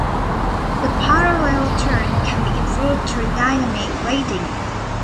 The parallel turn can be improved through dynamic "weighting".